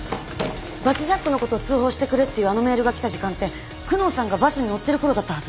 バスジャックのことを通報してくれっていうあのメールが来た時間って久能さんがバスに乗ってるころだったはず。